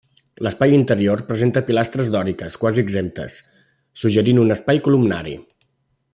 L'espai interior presenta pilastres dòriques quasi exemptes, suggerint un espai columnari.